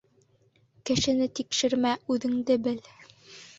Кешене тикшермә, үҙеңде бел.